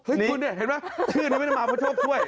เห้ยคุณนี่เห็นไหมชื่อนี่ไม่ได้มาเพราะโชคด้วย